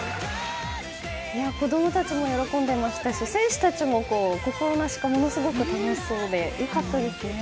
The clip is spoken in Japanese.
子供たちも喜んでいましたし選手たちも心なしかものすごく楽しそうで良かったですね。